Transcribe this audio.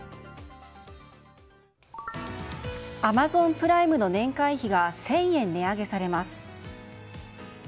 Ａｍａｚｏｎプライムの年会費が１０００円値上げされます。